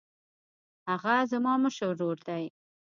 هغه زما مشر ورور دی